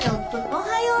おはよう。